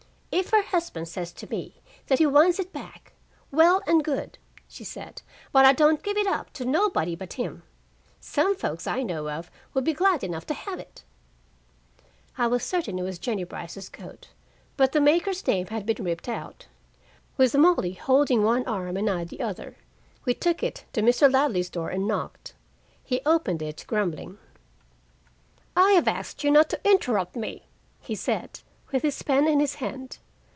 "If her husband says to me that he wants it back, well and good," she said, "but I don't give it up to nobody but him. Some folks I know of would be glad enough to have it." I was certain it was Jennie Brice's coat, but the maker's name had been ripped out. With Molly holding one arm and I the other, we took it to Mr. Ladley's door and knocked. He opened it, grumbling. "I have asked you not to interrupt me," he said, with his pen in his hand.